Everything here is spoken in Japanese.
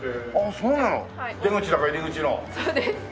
そうです。